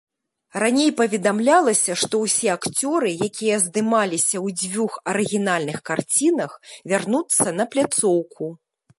Раней паведамлялася, што ўсе акцёры, якія здымаліся ў дзвюх арыгінальных карцінах, вярнуцца на пляцоўку.